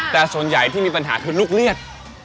แต่ส่วนใหญ่ที่มีปัญหาคือลูกเลือด